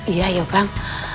iya ya bang